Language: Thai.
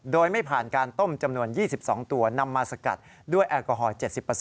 โดยไม่ผ่านการต้มจำนวน๒๒ตัวนำมาสกัดด้วยแอลกอฮอล๗๐